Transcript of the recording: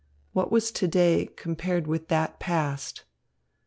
What was to day compared with that past?